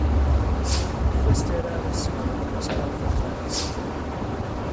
Mae'r cyfleusterau addysgol yn cynnwys celf a chrefft